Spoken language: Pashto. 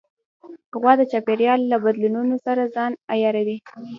غوا د چاپېریال له بدلونونو سره ځان عیاروي.